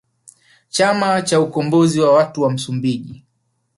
Chama cha ukombozi wa watu wa Msumbiji